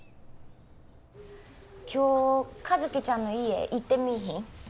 今日和希ちゃんの家行ってみいひん？